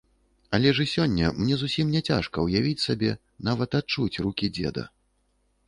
Але ж і сёння мне зусім не цяжка ўявіць сабе, нават адчуць рукі дзеда.